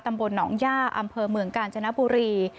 ตำบลหนองย่าอำเภอเมืองกาญจนบุรี